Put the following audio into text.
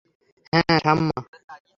হ্যাঁ, শাম্মা?